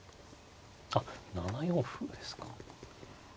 あっ７四歩ですか。